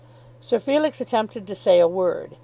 Sir Felix attempted to say a word.